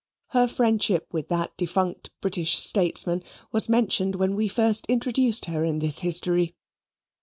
Her friendship with that defunct British statesman was mentioned when we first introduced her in this history.